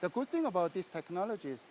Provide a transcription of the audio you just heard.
teknologi yang bagus adalah